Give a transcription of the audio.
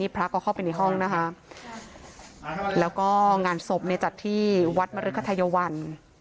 พระก็เข้าไปในห้องนะคะแล้วก็งานศพเนี่ยจัดที่วัดมริคทัยวัน